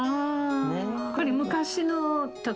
これ昔の時？